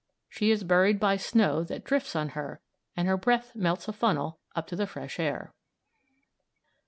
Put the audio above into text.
She is buried by snow that drifts on her and her breath melts a funnel up to the fresh air.